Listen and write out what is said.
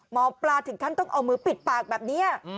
หมอปลาถึงขั้นต้องเอามือปิดปากแบบนี้